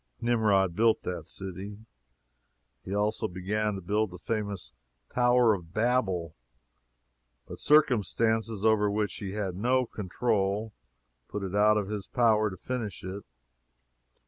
Nimrod built that city. He also began to build the famous Tower of Babel, but circumstances over which he had no control put it out of his power to finish it.